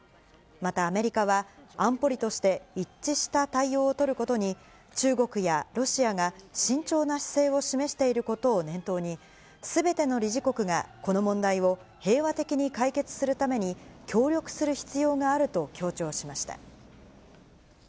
またアメリカは、安保理として一致した対応を取ることに、中国やロシアが慎重な姿勢を示していることを念頭に、すべての理事国がこの問題を平和的に解決するために、協力する必要があると強調しました。